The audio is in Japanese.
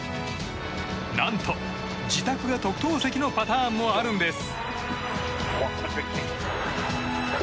何と、自宅が特等席のパターンもあるんです。